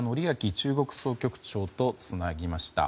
中国総局長とつなぎました。